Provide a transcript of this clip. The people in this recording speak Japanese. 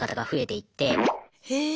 へえ。